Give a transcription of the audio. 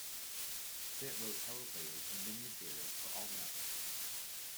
Stitt wrote teleplays and mini-series for all the networks.